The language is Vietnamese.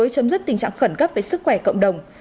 chấm dứt tình trạng khẩn cấp về sức khỏe cộng đồng